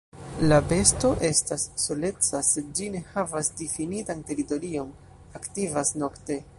La besto estas soleca, sed ĝi ne havas difinitan teritorion, aktivas nokte.